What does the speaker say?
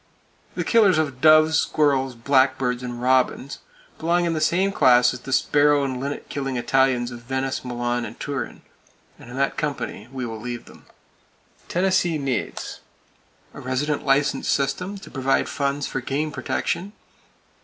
The killers of doves, squirrels, blackbirds and robins belong in the same class as the sparrow and linnet killing Italians of Venice, Milan and Turin, and in that company we will leave them. Tennessee needs: A resident license system to provide funds for game protection.